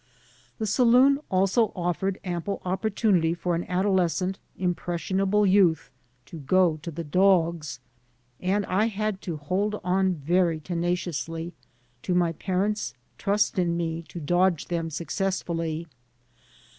The saloon also offered ample opportunity for an adolescent, inopressionable youth to go to the dogs, and I had to hold on very tenaciously to my parents' trust in me to dodge ^ them successfully.